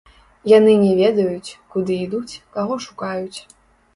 Яны не ведаюць, куды ідуць, каго шукаюць.